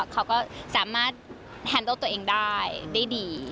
เขาก็สามารถแฮนโดลตัวเองได้ได้ดี